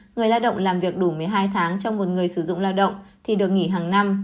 người lao động làm việc đủ một mươi hai tháng trong một người sử dụng lao động thì được nghỉ hàng năm